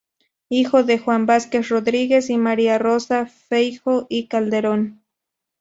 Hijo de Juan Vázquez Rodríguez y María Rosa Feijoo y Calderón.